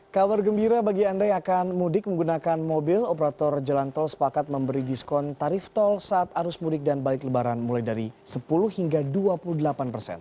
kabar gembira bagi anda yang akan mudik menggunakan mobil operator jalan tol sepakat memberi diskon tarif tol saat arus mudik dan balik lebaran mulai dari sepuluh hingga dua puluh delapan persen